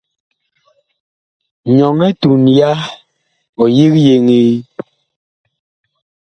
Nyɔŋ etuŋ ya, ɔ yig yeŋee.